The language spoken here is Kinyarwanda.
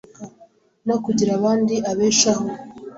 no kugira abandi abeshaho.